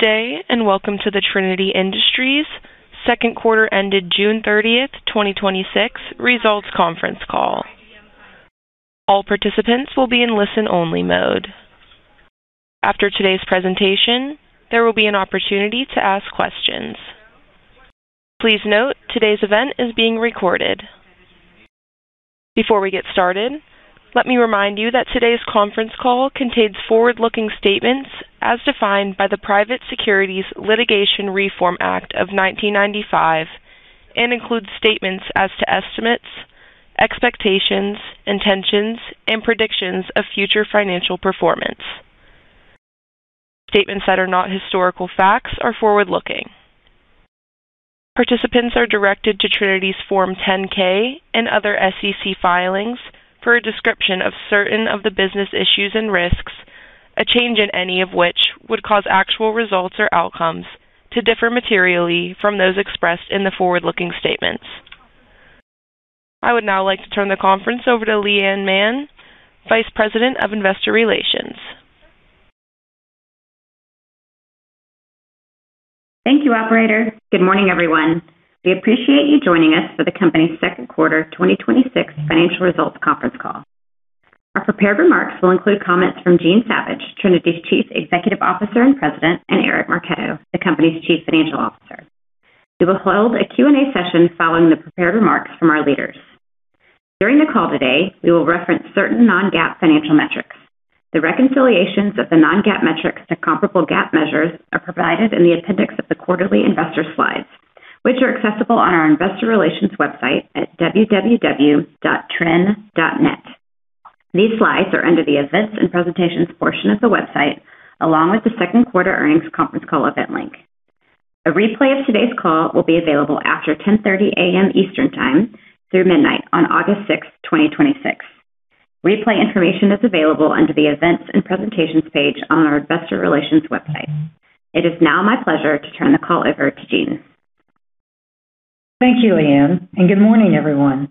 Good day, welcome to the Trinity Industries Q2 ended June 30th, 2026 results conference call. All participants will be in listen-only mode. After today's presentation, there will be an opportunity to ask questions. Please note, today's event is being recorded. Before we get started, let me remind you that today's conference call contains forward-looking statements as defined by the Private Securities Litigation Reform Act of 1995 and includes statements as to estimates, expectations, intentions, and predictions of future financial performance. Statements that are not historical facts are forward-looking. Participants are directed to Trinity's Form 10-K and other SEC filings for a description of certain of the business issues and risks, a change in any of which would cause actual results or outcomes to differ materially from those expressed in the forward-looking statements. I would now like to turn the conference over to Leigh Anne Mann, Vice President of Investor Relations. Thank you, operator. Good morning, everyone. We appreciate you joining us for the company's Q2 2026 financial results conference call. Our prepared remarks will include comments from Jean Savage, Trinity's Chief Executive Officer and President, and Eric Marchetto, the company's Chief Financial Officer. We will hold a Q&A session following the prepared remarks from our leaders. During the call today, we will reference certain non-GAAP financial metrics. The reconciliations of the non-GAAP metrics to comparable GAAP measures are provided in the appendix of the quarterly investor slides, which are accessible on our investor relations website at www.trin.net. These slides are under the Events and Presentations portion of the website, along with the Q2 earnings conference call event link. A replay of today's call will be available after 10:30 A.M. Eastern Time through midnight on August 6th, 2026. Replay information is available under the Events and Presentations page on our investor relations website. It is now my pleasure to turn the call over to Jean. Thank you, Leigh Anne, good morning, everyone.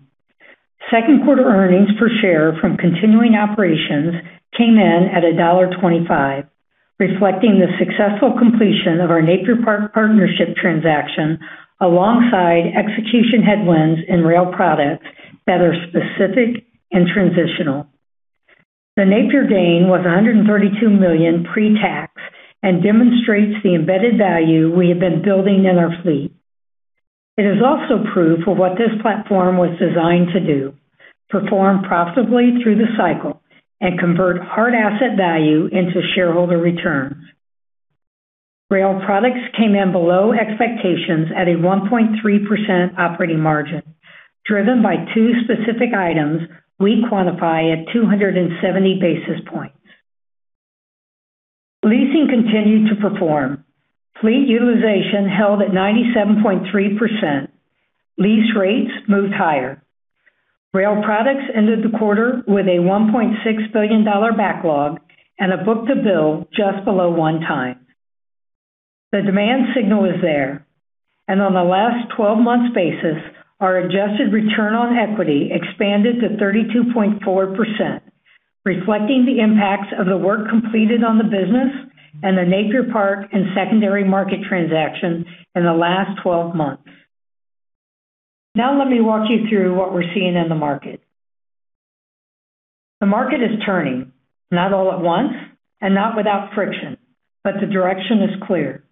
Q2 earnings per share from continuing operations came in at $1.25, reflecting the successful completion of our Napier Park partnership transaction alongside execution headwinds in Rail Products that are specific and transitional. The Napier gain was $132 million pre-tax and demonstrates the embedded value we have been building in our fleet. It is also proof of what this platform was designed to do, perform profitably through the cycle and convert hard asset value into shareholder returns. Rail Products came in below expectations at a 1.3% operating margin, driven by two specific items we quantify at 270 basis points. Leasing continued to perform. Fleet utilization held at 97.3%. Lease rates moved higher. Rail Products ended the quarter with a $1.6 billion backlog and a book-to-bill just below one time. The demand signal is there. On the last 12 months basis, our adjusted return on equity expanded to 32.4%, reflecting the impacts of the work completed on the business and the Napier Park and secondary market transactions in the last 12 months. Let me walk you through what we're seeing in the market. The market is turning, not all at once and not without friction, but the direction is clear.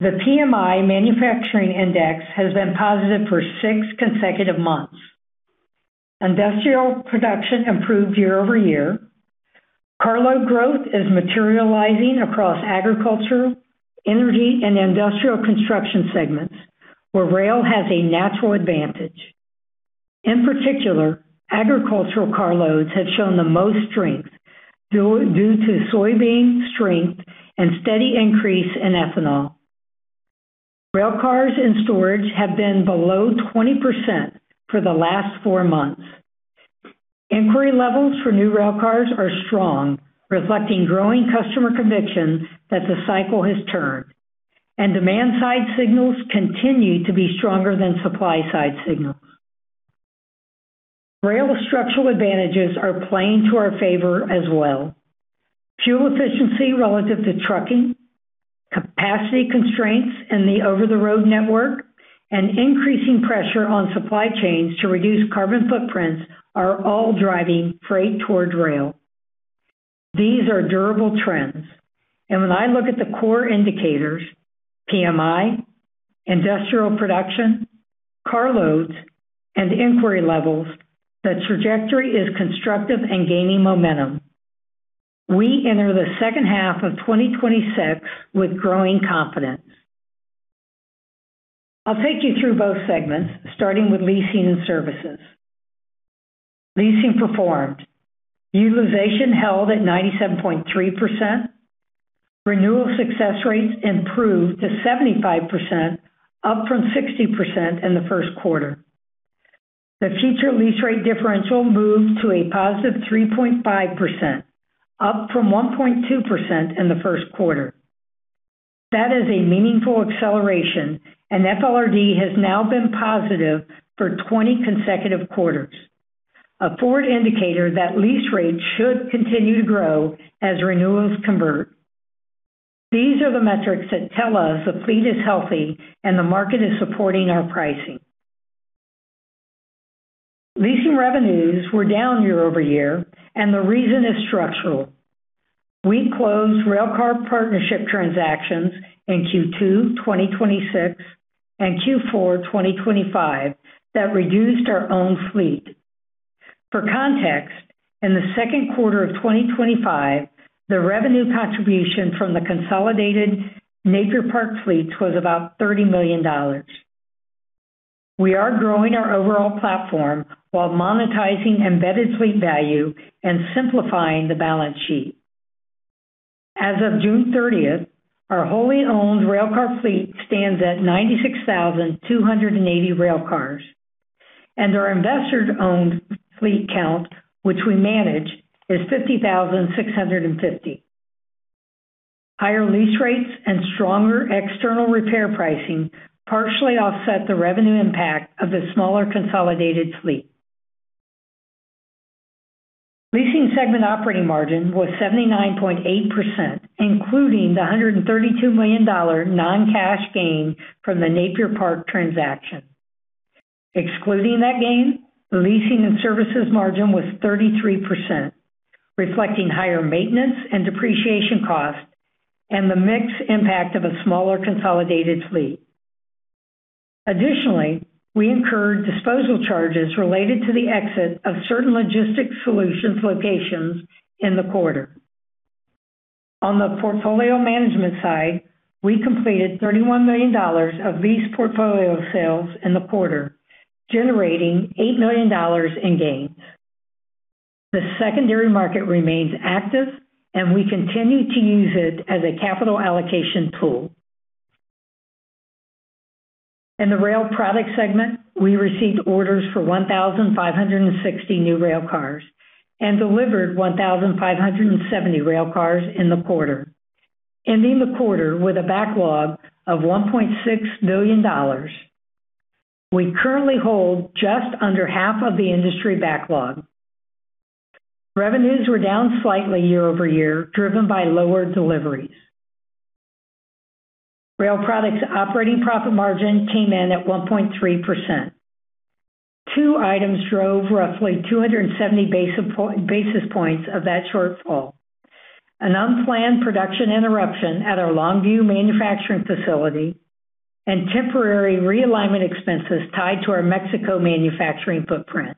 The PMI Manufacturing Index has been positive for six consecutive months. Industrial production improved year-over-year. Carload growth is materializing across agricultural, energy, and industrial construction segments, where rail has a natural advantage. In particular, agricultural carloads have shown the most strength due to soybean strength and steady increase in ethanol. Rail cars and storage have been below 20% for the last four months. Inquiry levels for new rail cars are strong, reflecting growing customer conviction that the cycle has turned, demand side signals continue to be stronger than supply side signals. Rail structural advantages are playing to our favor as well. Fuel efficiency relative to trucking, capacity constraints in the over-the-road network, and increasing pressure on supply chains to reduce carbon footprints are all driving freight towards rail. These are durable trends. When I look at the core indicators, PMI, industrial production, carloads, and inquiry levels, the trajectory is constructive and gaining momentum. We enter the H2 of 2026 with growing confidence. I'll take you through both segments, starting with leasing and services. Leasing performed. Utilization held at 97.3%. Renewal success rates improved to 75%, up from 60% in the Q1. The future lease rate differential moved to a +3.5%, up from 1.2% in the Q1. That is a meaningful acceleration, FLRD has now been positive for 20 consecutive quarters. A forward indicator that lease rates should continue to grow as renewals convert. These are the metrics that tell us the fleet is healthy and the market is supporting our pricing. Leasing revenues were down year-over-year, the reason is structural. We closed railcar partnership transactions in Q2 2026 and Q4 2025 that reduced our own fleet. For context, in the Q2 of 2025, the revenue contribution from the consolidated Napier Park fleets was about $30 million. We are growing our overall platform while monetizing embedded fleet value and simplifying the balance sheet. As of June 30th, our wholly owned railcar fleet stands at 96,280 rail cars, and our investor-owned fleet count, which we manage, is 50,650. Higher lease rates and stronger external repair pricing partially offset the revenue impact of the smaller consolidated fleet. Leasing segment operating margin was 79.8%, including the $132 million non-cash gain from the Napier Park transaction. Excluding that gain, the leasing and services margin was 33%, reflecting higher maintenance and depreciation costs and the mix impact of a smaller consolidated fleet. Additionally, we incurred disposal charges related to the exit of certain logistics solutions locations in the quarter. On the portfolio management side, we completed $31 million of lease portfolio sales in the quarter, generating $8 million in gains. The secondary market remains active, and we continue to use it as a capital allocation tool. In the rail product segment, we received orders for 1,560 new rail cars and delivered 1,570 rail cars in the quarter, ending the quarter with a backlog of $1.6 million. We currently hold just under half of the industry backlog. Revenues were down slightly year-over-year, driven by lower deliveries. Rail Products operating profit margin came in at 1.3%. Two items drove roughly 270 basis points of that shortfall. An unplanned production interruption at our Longview manufacturing facility and temporary realignment expenses tied to our Mexico manufacturing footprint.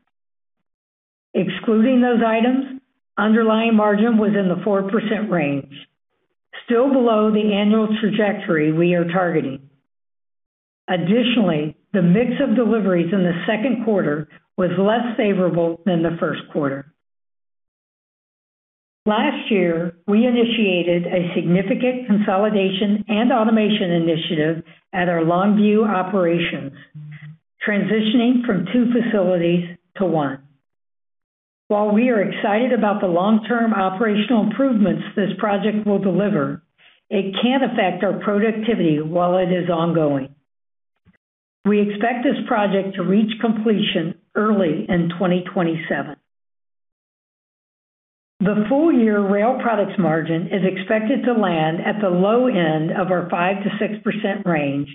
Excluding those items, underlying margin was in the 4% range, still below the annual trajectory we are targeting. Additionally, the mix of deliveries in the Q2 was less favorable than the Q1. Last year, we initiated a significant consolidation and automation initiative at our Longview operations, transitioning from two facilities to one. While we are excited about the long-term operational improvements this project will deliver, it can affect our productivity while it is ongoing. We expect this project to reach completion early in 2027. The full-year Rail Products margin is expected to land at the low end of our 5%-6% range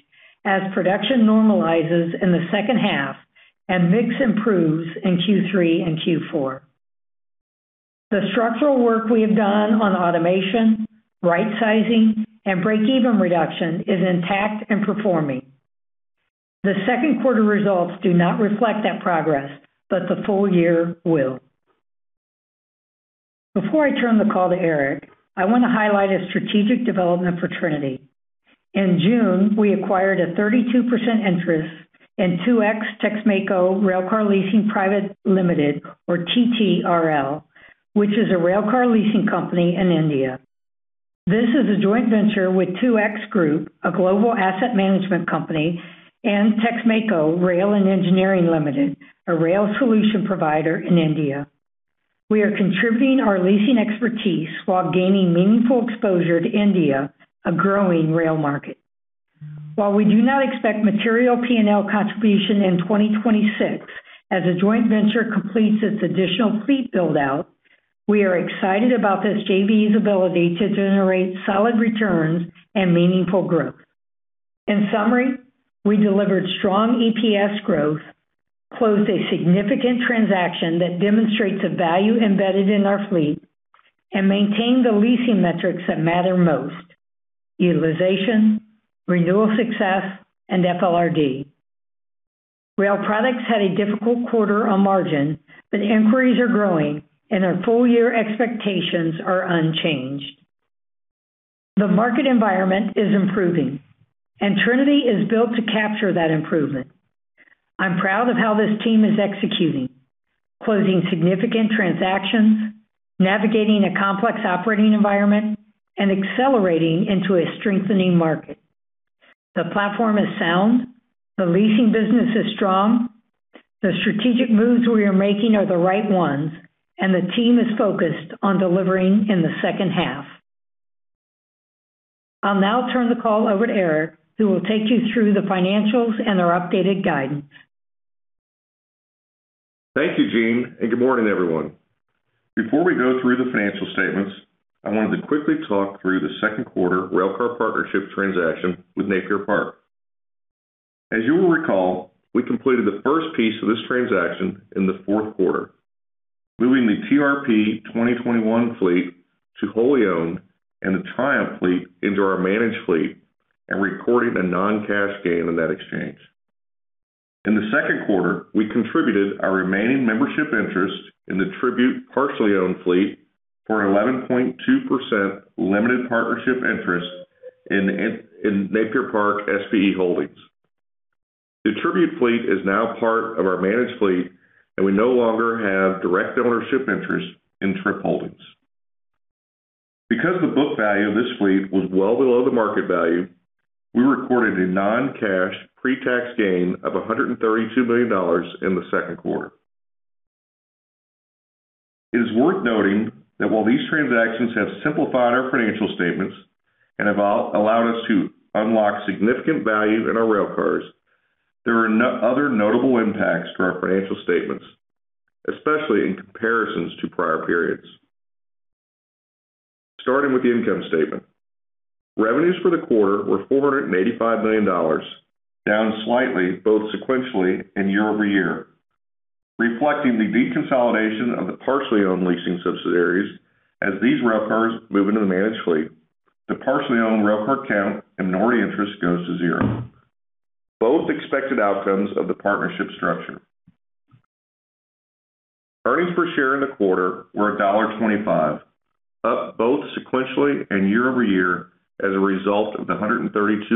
as production normalizes in the H2 and mix improves in Q3 and Q4. The structural work we have done on automation, rightsizing, and break-even reduction is intact and performing. The Q2 results do not reflect that progress, but the full-year will. Before I turn the call to Eric, I want to highlight a strategic development for Trinity. In June, we acquired a 32% interest in Touax Texmaco Railcar Leasing Private Limited, or TTRL, which is a railcar leasing company in India. This is a joint venture with Touax Group, a global asset management company, and Texmaco Rail & Engineering Limited, a rail solution provider in India. We are contributing our leasing expertise while gaining meaningful exposure to India, a growing rail market. While we do not expect material P&L contribution in 2026 as a joint venture completes its additional fleet build-out, we are excited about this JV's ability to generate solid returns and meaningful growth. In summary, we delivered strong EPS growth, closed a significant transaction that demonstrates the value embedded in our fleet, and maintained the leasing metrics that matter most, utilization, renewal success, and FLRD. Rail Products had a difficult quarter on margin. Inquiries are growing and our full-year expectations are unchanged. The market environment is improving. Trinity is built to capture that improvement. I'm proud of how this team is executing, closing significant transactions, navigating a complex operating environment, and accelerating into a strengthening market. The platform is sound, the leasing business is strong, the strategic moves we are making are the right ones, and the team is focused on delivering in the H2. I'll now turn the call over to Eric, who will take you through the financials and our updated guidance. Thank you, Jean, and good morning, everyone. Before we go through the financial statements, I wanted to quickly talk through the Q2 railcar partnership transaction with Napier Park. As you will recall, we completed the first piece of this transaction in the Q4, moving the TRP 2021 fleet to wholly owned and the Triumph fleet into our managed fleet, and recording a non-cash gain in that exchange. In the Q2, we contributed our remaining membership interest in the Tribute partially owned fleet for an 11.2% limited partnership interest in Napier Park SPE Holdings. The Tribute fleet is now part of our managed fleet, and we no longer have direct ownership interest in TRIP Holdings. Because the book value of this fleet was well below the market value, we recorded a non-cash pre-tax gain of $132 million in the Q2. It is worth noting that while these transactions have simplified our financial statements and have allowed us to unlock significant value in our railcars, there are other notable impacts to our financial statements, especially in comparisons to prior periods. Starting with the income statement. Revenues for the quarter were $485 million, down slightly, both sequentially and year-over-year, reflecting the deconsolidation of the partially owned leasing subsidiaries as these railcars move into the managed fleet. The partially owned railcar count and minority interest goes to zero, both expected outcomes of the partnership structure. Earnings per share in the quarter were $1.25, up both sequentially and year-over-year as a result of the $132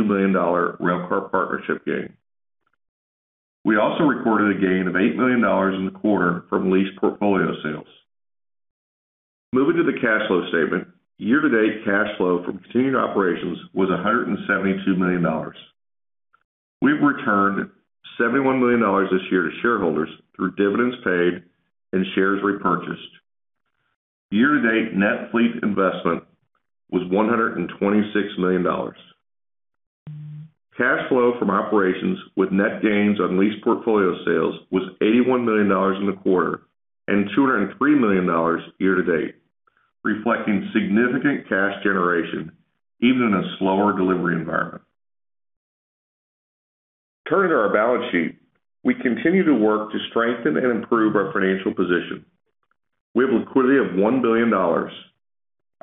million railcar partnership gain. We also recorded a gain of $8 million in the quarter from lease portfolio sales. Moving to the cash flow statement, year-to-date cash flow from continuing operations was $172 million. We've returned $71 million this year to shareholders through dividends paid and shares repurchased. Year-to-date net fleet investment was $126 million. Cash flow from operations with net gains on lease portfolio sales was $81 million in the quarter and $203 million year-to-date, reflecting significant cash generation even in a slower delivery environment. Turning to our balance sheet, we continue to work to strengthen and improve our financial position. We have liquidity of $1 billion.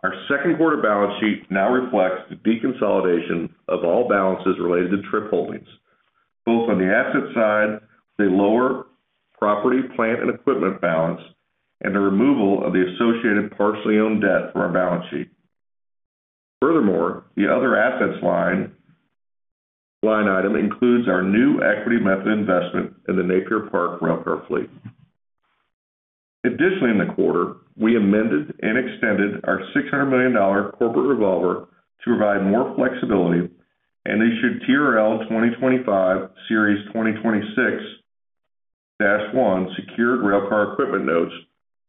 Our Q2 balance sheet now reflects the deconsolidation of all balances related to TRIP Holdings, both on the asset side with a lower property, plant, and equipment balance, and the removal of the associated partially owned debt from our balance sheet. Furthermore, the other assets line item includes our new equity method investment in the Napier Park railcar fleet. Additionally, in the quarter, we amended and extended our $600 million corporate revolver to provide more flexibility and issued TRL 2025, Series 2026-1 secured railcar equipment notes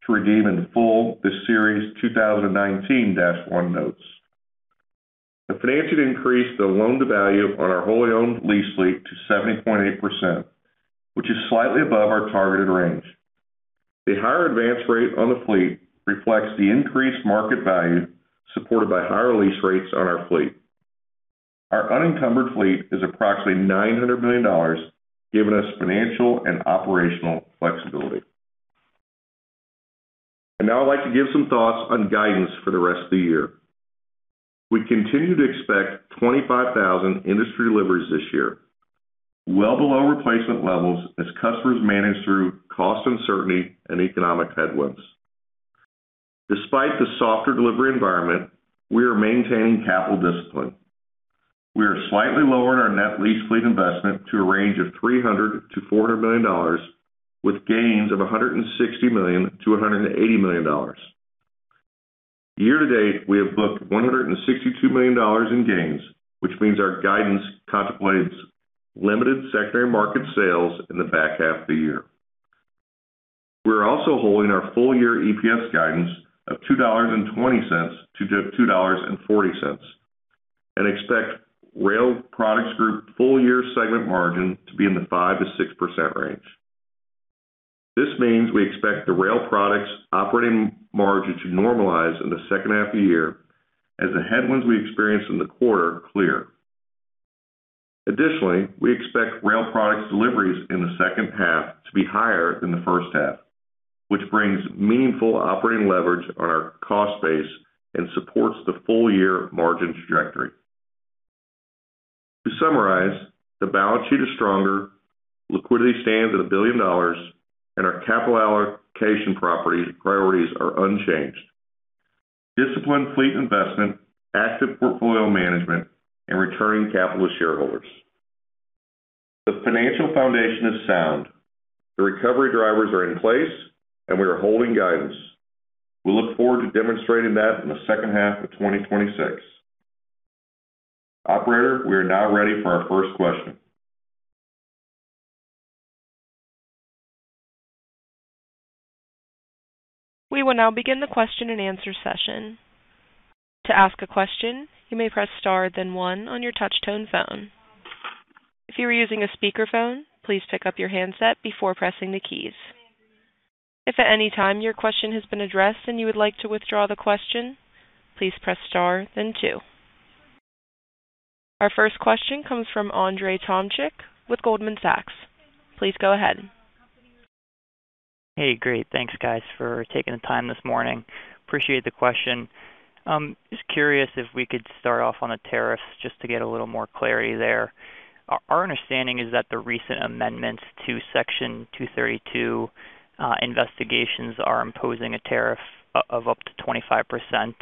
to redeem in full the Series 2019-1 notes. The financing increased the loan-to-value on our wholly owned lease fleet to 70.8%, which is slightly above our targeted range. The higher advance rate on the fleet reflects the increased market value supported by higher lease rates on our fleet. Our unencumbered fleet is approximately $900 million, giving us financial and operational flexibility. Now I'd like to give some thoughts on guidance for the rest of the year. We continue to expect 25,000 industry deliveries this year, well below replacement levels as customers manage through cost uncertainty and economic headwinds. Despite the softer delivery environment, we are maintaining capital discipline. We are slightly lowering our net lease fleet investment to a range of $300 million-$400 million, with gains of $160 million-$180 million. Year-to-date, we have booked $162 million in gains, which means our guidance contemplates limited secondary market sales in the back half of the year. We are also holding our full-year EPS guidance of $2.20-$2.40, and expect Rail Products Group full-year segment margin to be in the 5%-6% range. This means we expect the Rail Products operating margin to normalize in the H2 of the year as the headwinds we experienced in the quarter clear. We expect Rail Products deliveries in the H2 to be higher than the H1, which brings meaningful operating leverage on our cost base and supports the full-year margin trajectory. To summarize, the balance sheet is stronger, liquidity stands at $1 billion, and our capital allocation priorities are unchanged. Disciplined fleet investment, active portfolio management, and returning capital to shareholders. The financial foundation is sound. The recovery drivers are in place. We are holding guidance. We look forward to demonstrating that in the H2 of 2026. Operator, we are now ready for our first question. We will now begin the question-and-answer session. To ask a question, you may press star then one on your touch-tone phone. If you are using a speakerphone, please pick up your handset before pressing the keys. If at any time your question has been addressed and you would like to withdraw the question, please press star then two. Our first question comes from Andrzej Tomczyk with Goldman Sachs. Please go ahead. Hey. Great. Thanks, guys, for taking the time this morning. Appreciate the question. Just curious if we could start off on the tariffs just to get a little more clarity there. Our understanding is that the recent amendments to Section 232 investigations are imposing a tariff of up to 25%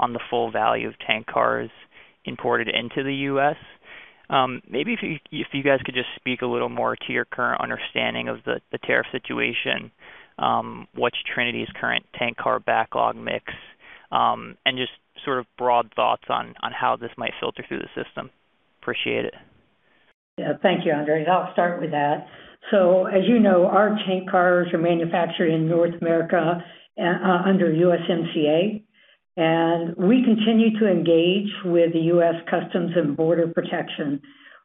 on the full value of tank cars imported into the U.S. Maybe if you guys could just speak a little more to your current understanding of the tariff situation, what's Trinity's current tank car backlog mix, and just sort of broad thoughts on how this might filter through the system. Appreciate it. Yeah. Thank you, Andrzej. I'll start with that. As you know, our tank cars are manufactured in North America, under USMCA, and we continue to engage with the U.S. Customs and Border Protection.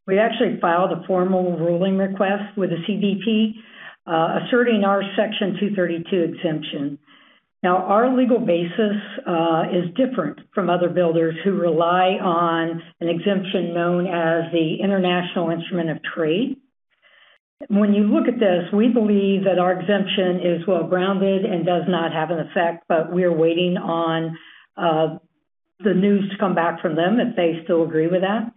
We actually filed a formal ruling request with the CBP, asserting our Section 232 exemption. Our legal basis is different from other builders who rely on an exemption known as the Instruments of International Traffic. When you look at this, we believe that our exemption is well-grounded and does not have an effect, but we are waiting on the news to come back from them if they still agree with that.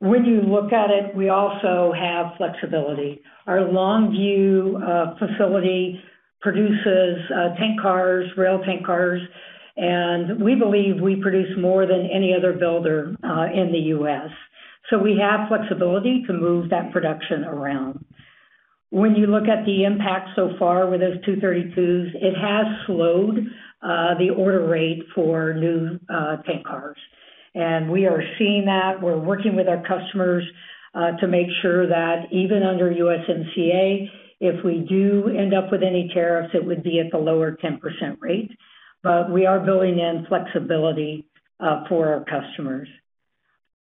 When you look at it, we also have flexibility. Our Longview facility produces tank cars, rail tank cars, and we believe we produce more than any other builder in the U.S., so we have flexibility to move that production around. When you look at the impact so far with those 232s, it has slowed the order rate for new tank cars. We are seeing that. We're working with our customers to make sure that even under USMCA, if we do end up with any tariffs, it would be at the lower 10% rate. We are building in flexibility for our customers.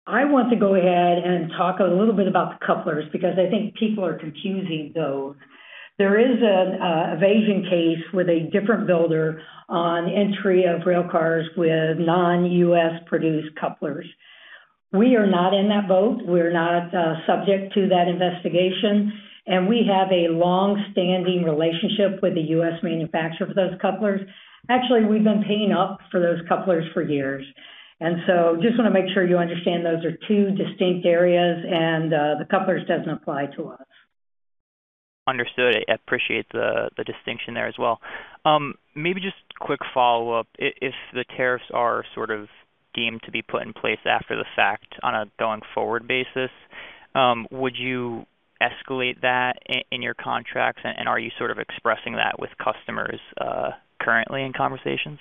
I want to go ahead and talk a little bit about the couplers because I think people are confusing those. There is an evasion case with a different builder on entry of rail cars with non-U.S.-produced couplers. We are not in that boat. We're not subject to that investigation, and we have a longstanding relationship with the U.S. manufacturer for those couplers. Actually, we've been paying up for those couplers for years. Just want to make sure you understand those are two distinct areas, and the couplers doesn't apply to us. Understood. I appreciate the distinction there as well. Maybe just quick follow-up. If the tariffs are sort of deemed to be put in place after the fact on a going-forward basis, would you escalate that in your contracts? Are you sort of expressing that with customers currently in conversations?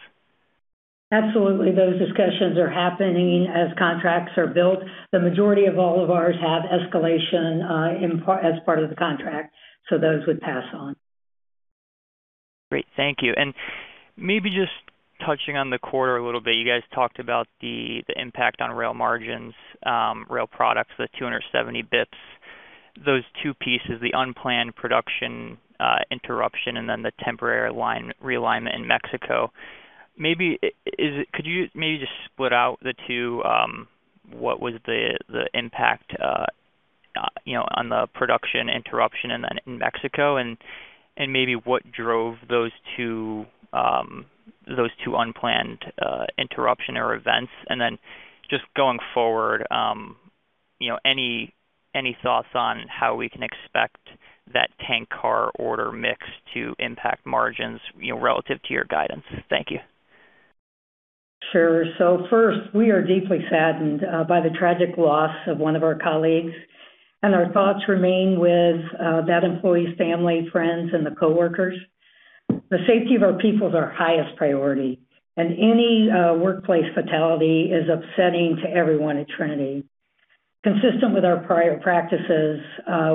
Absolutely. Those discussions are happening as contracts are built. The majority of all of ours have escalation as part of the contract, so those would pass on. Great. Thank you. Maybe just touching on the quarter a little bit, you guys talked about the impact on rail margins, Rail Products, the 270 basis points. Those two pieces, the unplanned production interruption, and then the temporary realignment in Mexico. Could you maybe just split out the two, what was the impact on the production interruption and then in Mexico and maybe what drove those two unplanned interruption or events? Just going forward, any thoughts on how we can expect that tank car order mix to impact margins relative to your guidance? Thank you. Sure. First, we are deeply saddened by the tragic loss of one of our colleagues, and our thoughts remain with that employee's family, friends, and the coworkers. The safety of our people is our highest priority, and any workplace fatality is upsetting to everyone at Trinity. Consistent with our prior practices,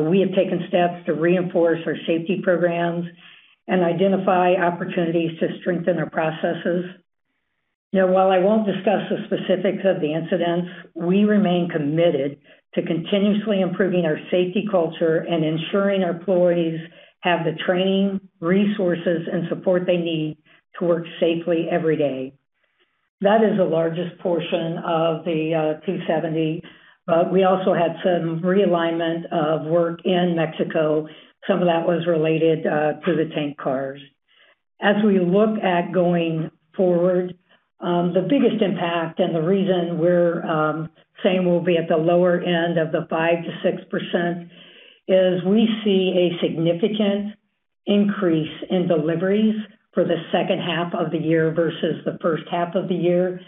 we have taken steps to reinforce our safety programs and identify opportunities to strengthen our processes. While I won't discuss the specifics of the incidents, we remain committed to continuously improving our safety culture and ensuring our employees have the training, resources, and support they need to work safely every day. That is the largest portion of the 270, but we also had some realignment of work in Mexico. Some of that was related to the tank cars. As we look at going forward, the biggest impact and the reason we're saying we'll be at the lower end of the 5%-6% is we see a significant increase in deliveries for the H2 of the year versus the H1 of the year.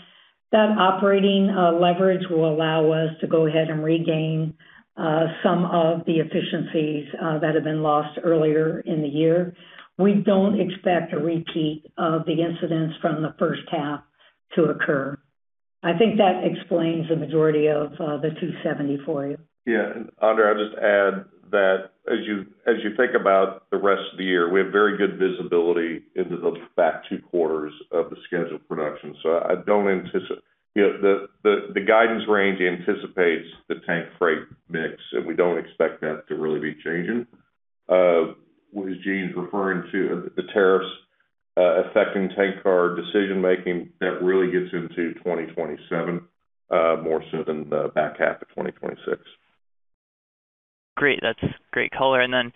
That operating leverage will allow us to go ahead and regain some of the efficiencies that have been lost earlier in the year. We don't expect a repeat of the incidents from the H1 to occur. I think that explains the majority of the 270 for you. Yeah. Andrzej, I'll just add that as you think about the rest of the year, we have very good visibility into the back two quarters of the scheduled production. The guidance range anticipates the tank freight mix, and we don't expect that to really be changing. What Jean's referring to, the tariffs affecting tank car decision-making, that really gets into 2027 more so than the back half of 2026. Great. That's great color. Then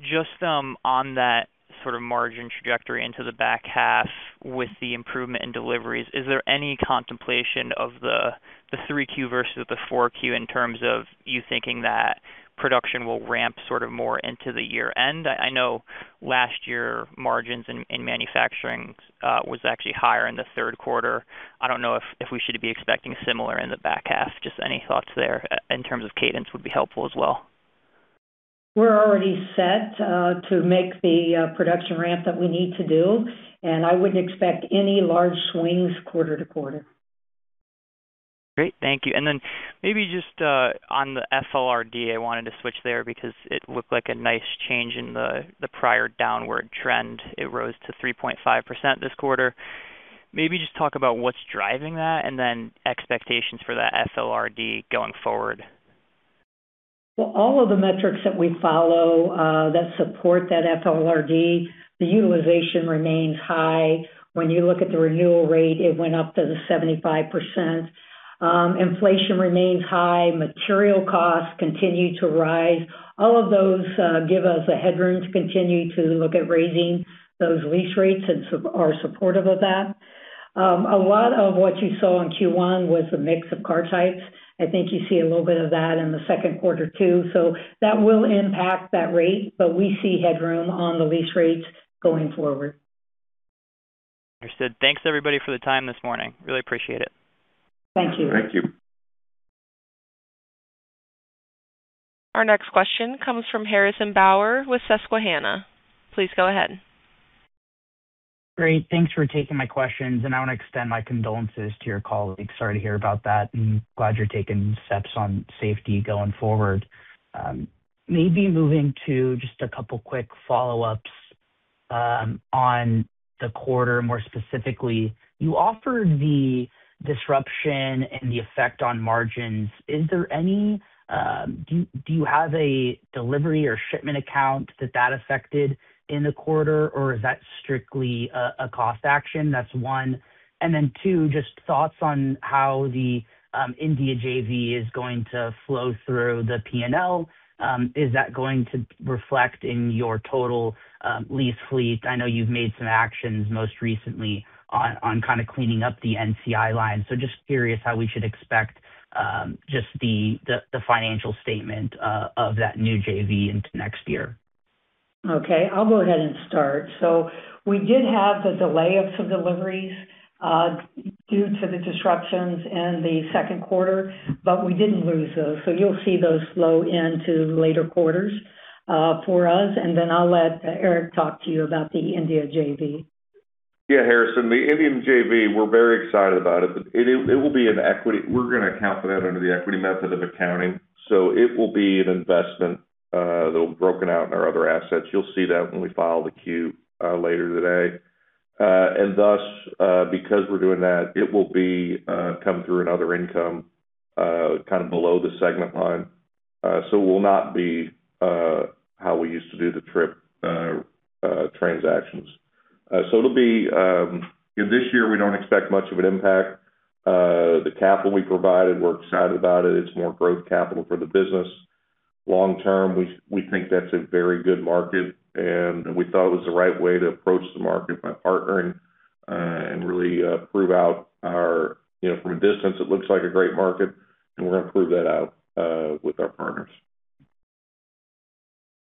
just on that sort of margin trajectory into the back half with the improvement in deliveries, is there any contemplation of the Q3 versus the Q4 in terms of you thinking that production will ramp sort of more into the year-end? I know last year margins in manufacturing was actually higher in the Q3. I don't know if we should be expecting similar in the back half. Just any thoughts there in terms of cadence would be helpful as well. We're already set to make the production ramp that we need to do, I wouldn't expect any large swings quarter-to-quarter. Great. Thank you. Maybe just on the FLRD, I wanted to switch there because it looked like a nice change in the prior downward trend. It rose to 3.5% this quarter. Maybe just talk about what's driving that and expectations for that FLRD going forward. Well, all of the metrics that we follow that support that FLRD, the utilization remains high. When you look at the renewal rate, it went up to the 75%. Inflation remains high. Material costs continue to rise. All of those give us a headroom to continue to look at raising those lease rates and are supportive of that. A lot of what you saw in Q1 was a mix of car types. I think you see a little bit of that in the Q2 too. That will impact that rate, but we see headroom on the lease rates going forward. Understood. Thanks everybody for the time this morning. Really appreciate it. Thank you. Thank you. Our next question comes from Harrison Bauer with Susquehanna. Please go ahead. Great. Thanks for taking my questions. I want to extend my condolences to your colleague. Sorry to hear about that. Glad you're taking steps on safety going forward. Maybe moving to just a couple quick follow-ups on the quarter, more specifically. You offered the disruption and the effect on margins. Do you have a delivery or shipment account that affected in the quarter, or is that strictly a cost action? That's one. Two, just thoughts on how the India JV is going to flow through the P&L. Is that going to reflect in your total lease fleet? I know you've made some actions most recently on kind of cleaning up the NCI line. Just curious how we should expect just the financial statement of that new JV into next year. Okay. I'll go ahead and start. We did have the delay of some deliveries due to the disruptions in the Q2, but we didn't lose those. You'll see those flow into later quarters for us. I'll let Eric talk to you about the India JV. Harrison, the Indian JV, we're very excited about it. We're going to account for that under the equity method of accounting. It will be an investment that'll broken out in our other assets. You'll see that when we file the Q later today. Thus, because we're doing that, it will come through another income kind of below the segment line. Will not be how we used to do the TRIP transactions. In this year, we don't expect much of an impact. The capital we provided, we're excited about it. It's more growth capital for the business. Long-term, we think that's a very good market, and we thought it was the right way to approach the market by partnering and really prove out from a distance, it looks like a great market, and we're going to prove that out with our partners.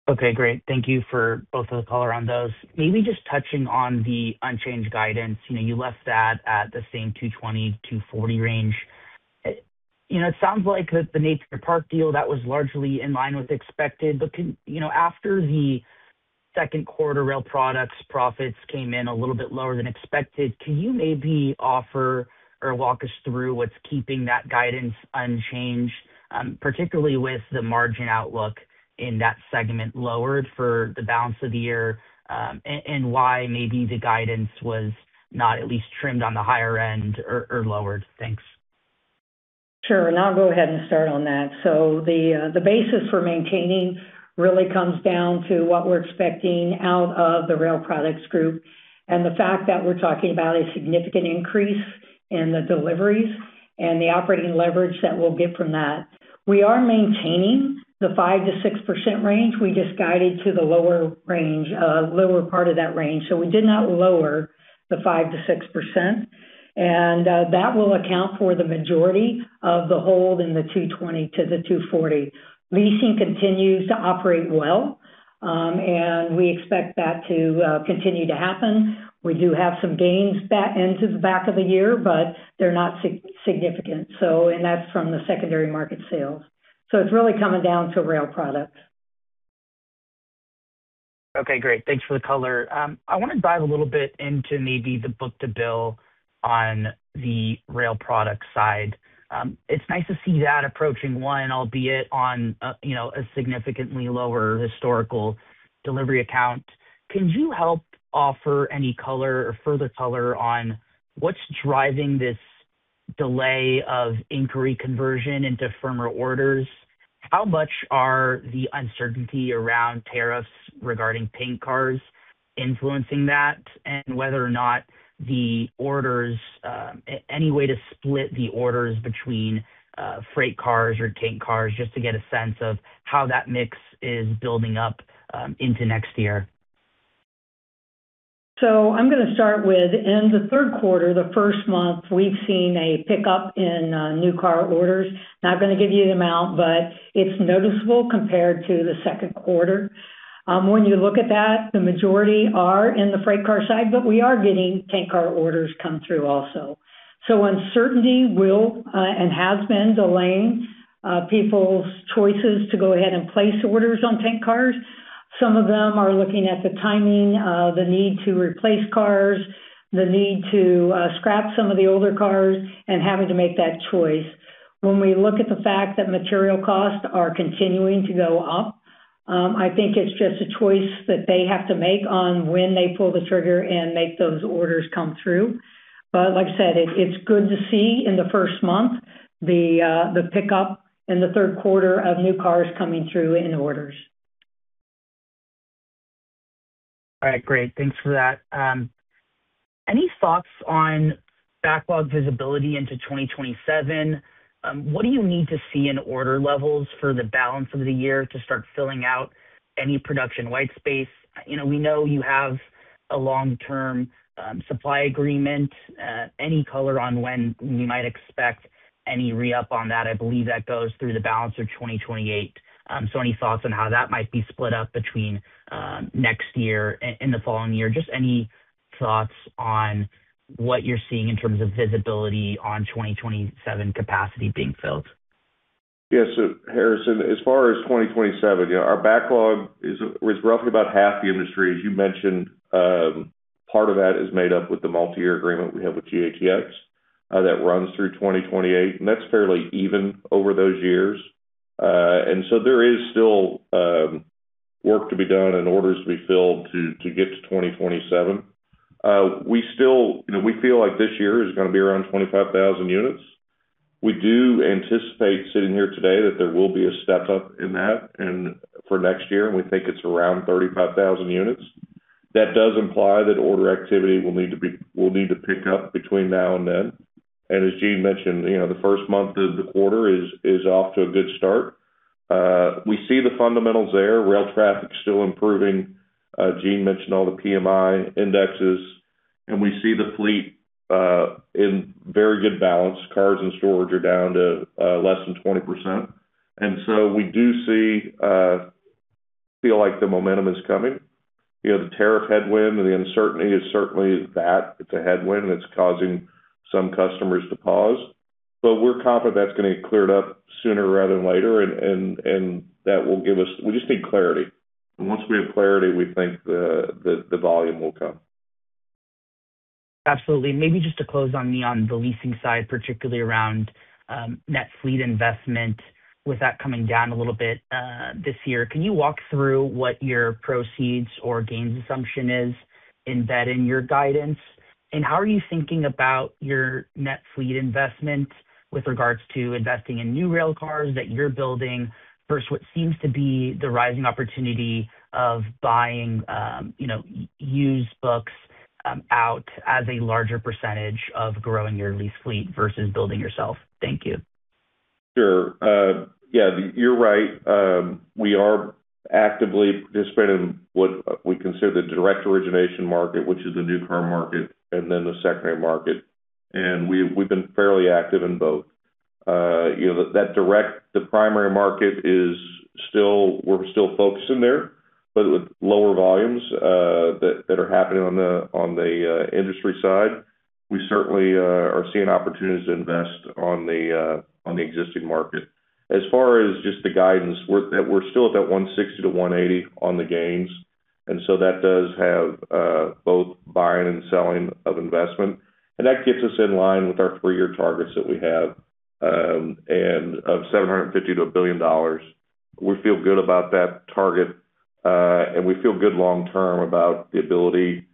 Okay, great. Thank you for both of the color on those. Maybe just touching on the unchanged guidance. You left that at the same $220-$240 range. It sounds like the Napier Park deal, that was largely in line with expected. After the Q2, Rail Products profits came in a little bit lower than expected. Can you maybe offer or walk us through what's keeping that guidance unchanged? Particularly with the margin outlook in that segment lowered for the balance of the year, and why maybe the guidance was not at least trimmed on the higher end or lowered. Thanks. Sure. I'll go ahead and start on that. The basis for maintaining really comes down to what we're expecting out of the Rail Products Group and the fact that we're talking about a significant increase in the deliveries and the operating leverage that we'll get from that. We are maintaining the 5%-6% range. We just guided to the lower part of that range. We did not lower the 5%-6%, and that will account for the majority of the hold in the $220-$240. Leasing continues to operate well, and we expect that to continue to happen. We do have some gains into the back of the year, they're not significant, and that's from the secondary market sales. It's really coming down to Rail Products. Okay, great. Thanks for the color. I want to dive a little bit into maybe the book-to-bill on the Rail Products side. It's nice to see that approaching one, albeit on a significantly lower historical delivery account. Could you help offer any color or further color on what's driving this delay of inquiry conversion into firmer orders? How much are the uncertainty around tariffs regarding paint cars influencing that and whether or not the orders, any way to split the orders between freight cars or tank cars, just to get a sense of how that mix is building up into next year. I'm going to start with, in the Q3, the first month, we've seen a pickup in new car orders. Not going to give you the amount, but it's noticeable compared to the Q2. When you look at that, the majority are in the freight car side, but we are getting tank car orders come through also. Uncertainty will, and has been delaying people's choices to go ahead and place orders on tank cars. Some of them are looking at the timing of the need to replace cars, the need to scrap some of the older cars and having to make that choice. When we look at the fact that material costs are continuing to go up, I think it's just a choice that they have to make on when they pull the trigger and make those orders come through. Like I said, it's good to see in the first month, the pickup in the Q3 of new cars coming through in orders. All right. Great. Thanks for that. Any thoughts on backlog visibility into 2027? What do you need to see in order levels for the balance of the year to start filling out any production white space? We know you have a long-term supply agreement. Any color on when we might expect any re-up on that? I believe that goes through the balance of 2028. Any thoughts on how that might be split up between next year and the following year? Just any thoughts on what you're seeing in terms of visibility on 2027 capacity being filled? Yeah. Harrison, as far as 2027, our backlog is roughly about half the industry. As you mentioned, part of that is made up with the multi-year agreement we have with GATX that runs through 2028, and that's fairly even over those years. There is still work to be done and orders to be filled to get to 2027. We feel like this year is going to be around 25,000 units. We do anticipate sitting here today that there will be a step-up in that and for next year, and we think it's around 35,000 units. That does imply that order activity will need to pick up between now and then. As Jean mentioned, the first month of the quarter is off to a good start. We see the fundamentals there. Rail traffic's still improving. Jean mentioned all the PMI indexes, we see the fleet in very good balance. Cars and storage are down to less than 20%. We do feel like the momentum is coming. The tariff headwind and the uncertainty is certainly that it's a headwind that's causing some customers to pause, we're confident that's going to get cleared up sooner rather than later. We just need clarity. Once we have clarity, we think the volume will come. Absolutely. Maybe just to close on me on the leasing side, particularly around net fleet investment, with that coming down a little bit this year, can you walk through what your proceeds or gains assumption is in vetting your guidance, and how are you thinking about your net fleet investment with regards to investing in new railcars that you're building versus what seems to be the rising opportunity of buying used books out as a larger percentage of growing your lease fleet versus building yourself? Thank you. Sure. Yeah, you're right. We are actively participating in what we consider the direct origination market, which is the new railcar market, then the secondary market. We've been fairly active in both. The primary market is we're still focusing there, with lower volumes that are happening on the industry side. We certainly are seeing opportunities to invest on the existing market. As far as just the guidance, we're still at that $160-$180 on the gains, that does have both buying and selling of investment. That gets us in line with our three-year targets that we have of $750 million-$1 billion. We feel good about that target, and we feel good long term about the ability.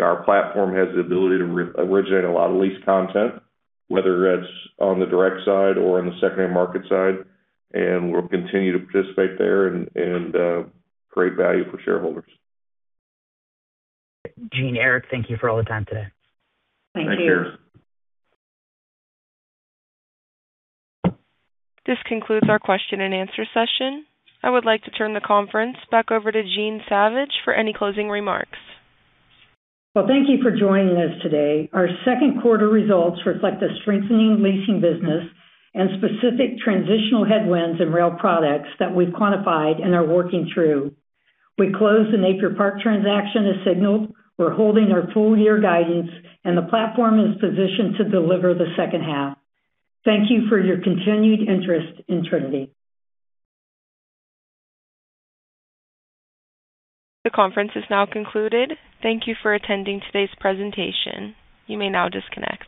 Our platform has the ability to originate a lot of lease content, whether that's on the direct side or on the secondary market side, we'll continue to participate there and create value for shareholders. Jean, Eric, thank you for all the time today. Thank you. Thank you. This concludes our question-and-answer session. I would like to turn the conference back over to Jean Savage for any closing remarks. Well, thank you for joining us today. Our Q2 results reflect a strengthening leasing business and specific transitional headwinds in Rail Products that we've quantified and are working through. We closed the Napier Park transaction as signaled. We're holding our full-year guidance, and the platform is positioned to deliver the H2. Thank you for your continued interest in Trinity. The conference is now concluded. Thank you for attending today's presentation. You may now disconnect.